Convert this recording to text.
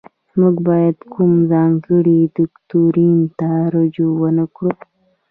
موږ باید کوم ځانګړي دوکتورین ته رجوع ونکړو.